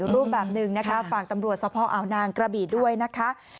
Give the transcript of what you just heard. รูปแบบหนึ่งนะคะฝากตำรวจสภอาวนางกระบีด้วยนะคะ